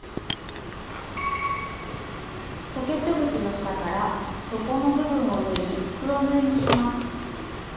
ポケット口の下から底の部分を縫い袋縫いにします。